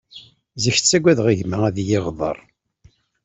Zik ttaggadeɣ gma ad iyi-iɣdeṛ.